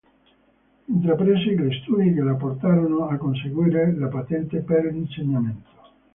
Intraprese gli studi che la portarono a conseguire la patente per l'insegnamento.